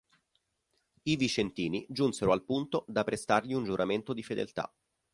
I vicentini giunsero al punto da prestargli un giuramento di fedeltà.